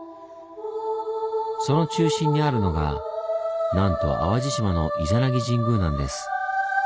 その中心にあるのがなんと淡路島の伊弉諾神宮なんです。